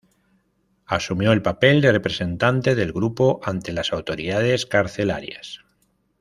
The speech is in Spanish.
Asumió el papel de representante del grupo ante las autoridades carcelarias.